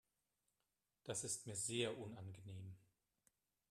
Das ist mir sehr unangenehm.